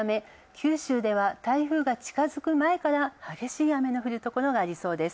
九州では台風が近づく前から激しい雨の降るところがありそうです。